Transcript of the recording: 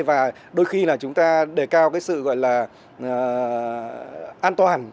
và đôi khi là chúng ta đề cao cái sự gọi là an toàn